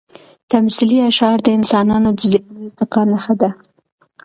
تمثیلي اشعار د انسانانو د ذهني ارتقا نښه ده.